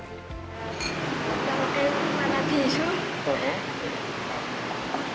kayak pertamax gitu ya